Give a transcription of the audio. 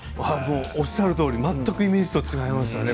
おっしゃるとおり全くイメージと違いましたね。